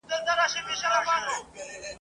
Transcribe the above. پر کور د انارګل به د زاغانو غوغا نه وي ..